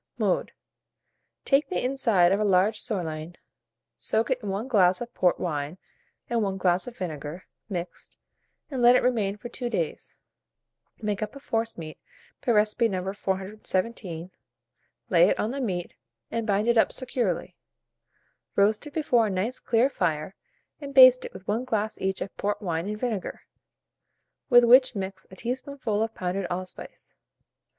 Mode. Take the inside of a large sirloin, soak it in 1 glass of port wine and 1 glass of vinegar, mixed, and let it remain for 2 days. Make a forcemeat by recipe No. 417, lay it on the meat, and bind it up securely. Roast it before a nice clear fire, and baste it with 1 glass each of port wine and vinegar, with which mix a teaspoonful of pounded allspice.